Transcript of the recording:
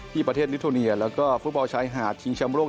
ที่ประเทศนิโทเนียแล้วก็ฟุตบอลชายหาดชิงแชมป์โลก